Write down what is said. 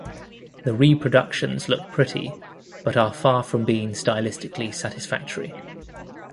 The reproductions look pretty, but are far from being stylistically satisfactory.